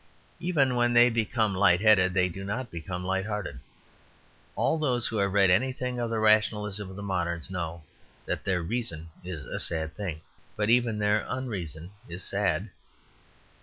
Even when they become light headed they do not become light hearted. All those who have read anything of the rationalism of the moderns know that their Reason is a sad thing. But even their unreason is sad.